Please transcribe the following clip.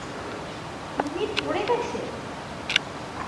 কুমির পড়ে গেছে!